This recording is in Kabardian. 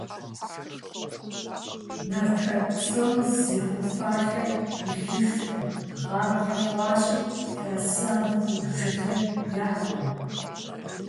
Нарт хэку псом зы ху фалъэ илъыжкъым, гъаблэ хъуащи, трасэн ху жылэ яӀэкъым.